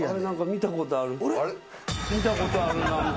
見たことある何か。